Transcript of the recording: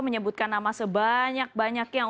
menyebutkan nama sebanyak banyak yang